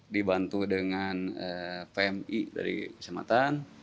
dibantu dengan pmi dari kecamatan